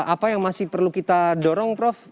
apa yang masih perlu kita dorong prof